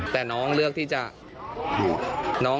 แต่น้องเลือกที่จะดดเอง